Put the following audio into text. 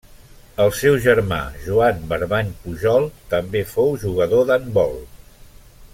El seu germà Joan Barbany Pujol també fou jugador d'handbol.